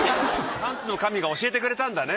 パンツの神が教えてくれたんだね。